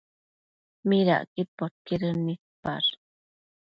¿Midacquid podquedën nidpash?